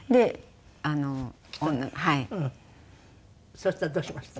そしたらどうしました？